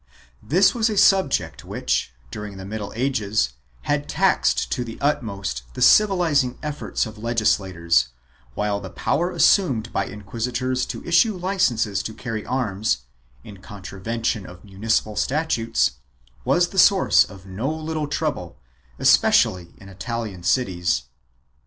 This was a subject which, during the middle ages, had taxed to the utmost the civilizing efforts of legislators, while the power assumed by inquisitors to issue licences to carry arms, in contravention of municipal statutes, was the source of no little trouble, especially in Italian cities.